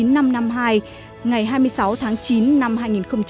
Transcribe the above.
ngày hai mươi sáu tháng chín năm hai nghìn ba